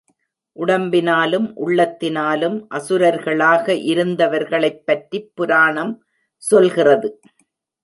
உடம்பினாலும், உள்ளத்தினாலும் அசுரர்களாக இருந்தவர்களைப் பற்றிப் புராணம் சொல்கிறது.